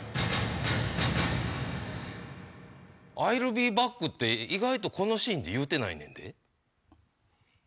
「アイルビーバック」って意外とこのシーンで言うてないねんで。